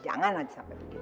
jangan aja sampe begitu